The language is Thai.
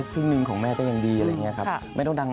ท่านขำเยอะมาก